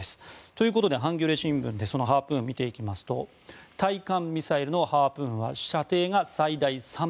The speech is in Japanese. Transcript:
ということで、ハンギョレ新聞でそのハープーン見ていきますと対艦ミサイルのハープーンは射程が最大３００ｋｍ。